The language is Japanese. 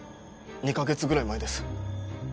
２カ月ぐらい前です。